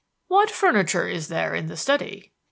"What furniture is there in the study?"